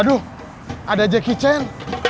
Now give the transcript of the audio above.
waduh ada jackie chan